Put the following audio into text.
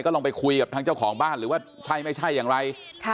ลองไปคุยกับทางเจ้าของบ้านหรือว่าใช่ไม่ใช่อย่างไร